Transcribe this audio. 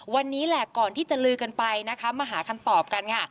วันนี้แหละก่อนที่จะลือกันไปนะคะมาหาคำตอบกันค่ะ